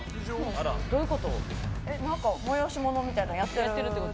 どういうこと。